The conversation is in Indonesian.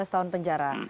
lima belas tahun penjara